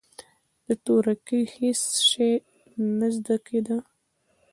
د تورکي هېڅ شى نه زده کېده.